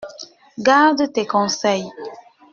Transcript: Garde tes conseils!